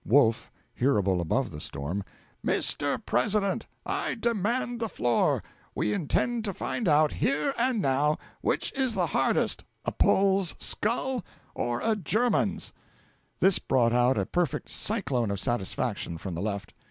Wolf (hearable above the storm). 'Mr. President, I demand the floor. We intend to find out, here and now, which is the hardest, a Pole's skull or a German's!' This brought out a perfect cyclone of satisfaction from the Left.